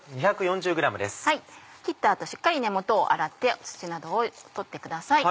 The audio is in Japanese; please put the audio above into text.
切った後しっかり根元を洗って土などを取ってください。